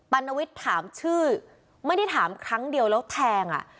รณวิทย์ถามชื่อไม่ได้ถามครั้งเดียวแล้วแทงอ่ะ